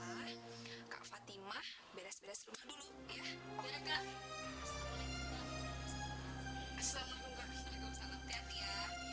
mereka mengotak otaknya ya